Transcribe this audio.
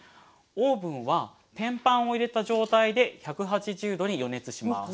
オーブンは天板を入れた状態で１８０℃に予熱します。